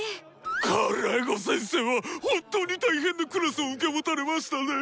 カルエゴ先生は本当に大変なクラスを受け持たれましたねぇ。